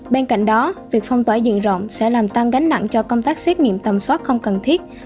bên cạnh đó việc phong tỏa diện rộng sẽ làm tăng gánh nặng cho công tác xét nghiệm tầm soát không cần thiết